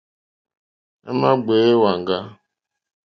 À mà gbèyá èwàŋgá.